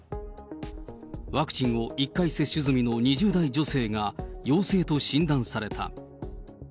ワクチンを１回接種済みの２０代女性が陽性と診断された。